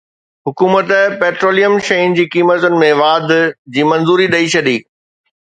حڪومت پيٽروليم شين جي قيمتن ۾ واڌ جي منظوري ڏئي ڇڏي